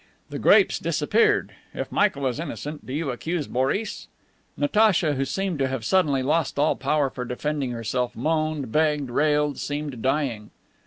The grapes disappeared. If Michael is innocent, do you accuse Boris?" Natacha, who seemed to have suddenly lost all power for defending herself, moaned, begged, railed, seemed dying.